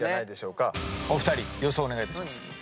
お二人予想お願いします。